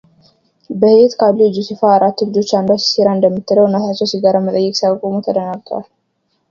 በሕይት ካሉ የጆሴፋ አራት ልጆች አንዷ ሲሴራ እንደምትለው እናታቸው ሲጋራ መጠየቅ ሲያቆሙ ተደናግጠዋል።